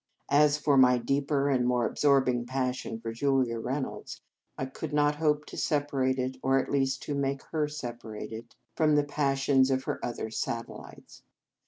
As for my deeper and more absorb ing passion for Julia Reynolds, I could not hope to separate it, or at least to make her separate it, from the 235 In Our Convent Days passions of her other satellites.